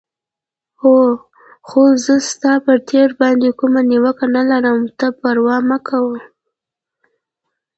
خو زه ستا پر تېر باندې کومه نیوکه نه لرم، ته پروا مه کوه.